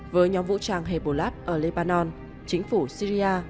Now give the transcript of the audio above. với nhóm vũ trang hebolat ở lebanon chính phủ syria